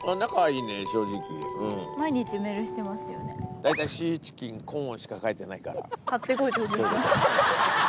大体「シーチキンコーン」しか書いてないから。